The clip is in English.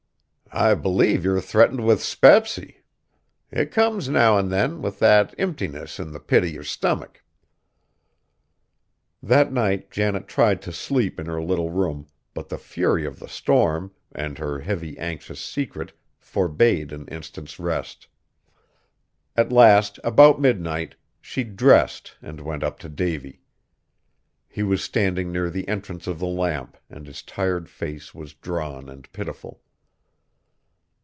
I believe yer threatened with 'spepsy, it comes now an' then, with that imptiness in the pit of yer stummick." That night Janet tried to sleep in her little room, but the fury of the storm, and her heavy, anxious secret forbade an instant's rest. At last, about midnight, she dressed and went up to Davy. He was standing near the entrance of the lamp, and his tired face was drawn and pitiful.